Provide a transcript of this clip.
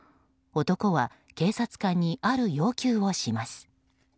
男は、警察官にある要求をします。